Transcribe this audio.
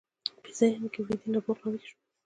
په ذهن کې ویده نبوغ یې راویښ شو